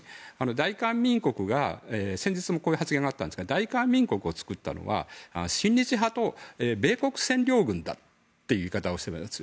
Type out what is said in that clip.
大韓民国が先日もこういう発言があって大韓民国を作ったのは親日派と米国占領軍だという言い方をしているわけです。